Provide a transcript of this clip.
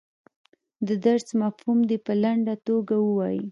د درس مفهوم دې په لنډه توګه ووایي.